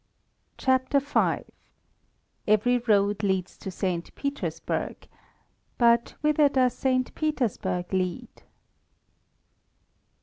CHAPTER V EVERY ROAD LEADS TO ST. PETERSBURG BUT WHITHER DOES ST. PETERSBURG LEAD?